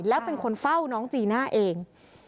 แล้วเป็นคนเฝ้าน้องจีน่าเอง